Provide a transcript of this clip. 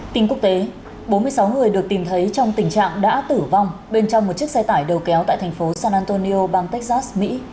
tin quốc tế bốn mươi sáu người được tìm thấy trong tình trạng đã tử vong bên trong một chiếc xe tải đầu kéo tại thành phố san antonio bang texas mỹ